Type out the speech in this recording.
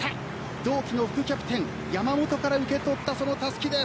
同期の副キャプテン山本から受け取ったたすきです。